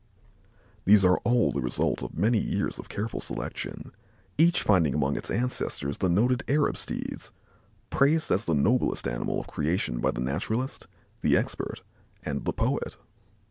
These are all the result of many years of careful selection, each finding among its ancestors the noted Arab steeds, "praised as the noblest animal of creation by the naturalist, the expert and the poet."